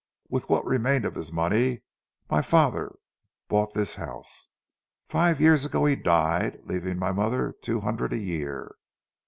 With what remained of his money, my father bought this house. Five years ago he died, leaving my mother two hundred a year.